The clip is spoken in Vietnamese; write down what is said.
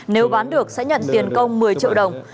nếu bán được sẽ nhận tiền công một mươi triệu đồng